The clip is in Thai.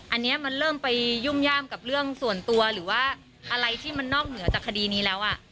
อันนี้มันเริ่มไปยุ่มย่ามกับเรื่องส่วนตัวหรือว่าอะไรที่มันนอกเหนือจากคดีนี้แล้ว